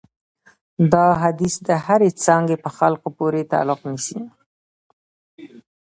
دا حدیث د هرې څانګې په خلکو پورې تعلق نیسي.